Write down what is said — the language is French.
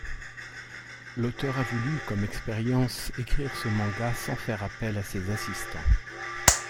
L’auteur a voulu, comme expérience, écrire ce manga sans faire appel à ses assistants.